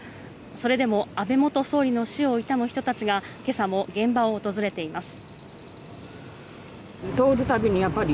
それでも安倍元総理の死を悼む人たちが今朝も現場を訪れています。